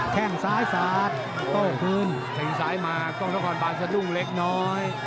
แค่งซ้ายสาดโต้คืนแข่งซ้ายมากล้องนครบานสะดุ้งเล็กน้อย